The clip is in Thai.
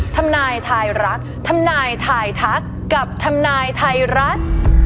ธรรมนายไทรรัฐธรรมนายไททักกับธรรมนายไทรรัฐ